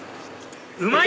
うまい！